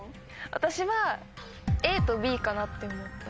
私はＡとＢかなって思った。